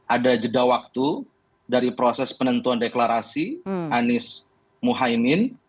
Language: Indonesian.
ada jeda waktu dari proses penentuan deklarasi anies mohaimin